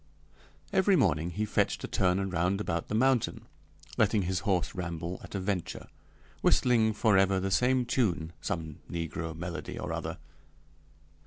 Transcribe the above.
Every morning he fetched a turn round about the mountain, letting his horse ramble at a venture, whistling forever the same tune, some negro melody or other.